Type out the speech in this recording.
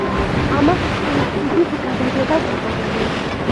ამას სუიციდის გადადებას უწოდებენ.